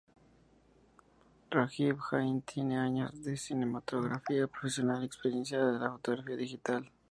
Rajiv Jain tiene años de cinematografía profesional y experiencia de la fotografía digital.